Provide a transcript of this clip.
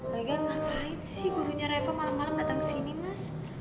lagian ngapain gurunya reva malem malem datang kesini mas